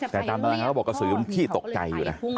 แต่ตามตอนนั้นเขาก็บอกกะสือนี่มันขี้ตกใจอยู่นะ